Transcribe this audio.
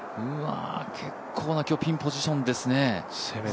結構な今日、ピンポジションですね。